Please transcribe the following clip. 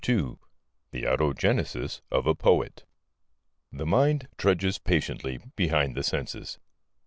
THE AUTOGENESIS OF A POET The mind trudges patiently behind the senses.